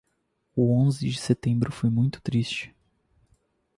O onze de setembro foi muito triste.